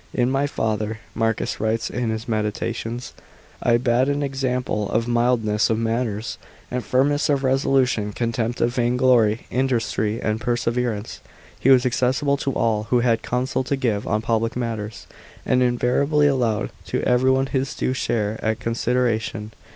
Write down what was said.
" In my father," Marcus writes in his Meditations, " I bad an example of mildness of manners and firmness of reso lution, contempt of vain glory, industry and pe> severance. He was accessible to all who had counsel to give on public matters, and invariably allowed to everyone his due share ot C"nsideration.